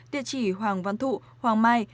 địa chỉ hoàng văn thụ hoàng mai